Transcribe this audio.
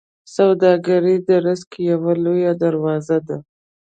سوداګري د رزق یوه لویه دروازه ده.